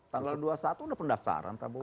tanggal dua puluh satu udah pendaftaran prabowo